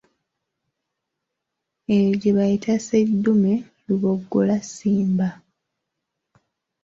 Eyo gye bayita sseddume luboggola Ssimba.